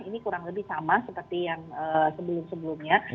ini kurang lebih sama seperti yang sebelum sebelumnya